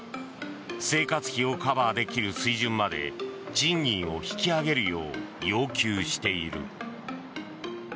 生活費をカバーできる水準まで賃金を引き上げるよう要求している。